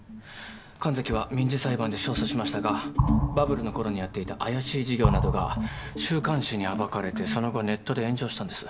神崎は民事裁判で勝訴しましたがバブルの頃にやっていた怪しい事業などが週刊誌に暴かれてその後ネットで炎上したんです。